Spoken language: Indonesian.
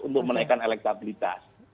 untuk menaikkan elektabilitas